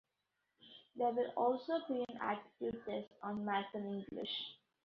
There will also be an aptitude test on Math and English.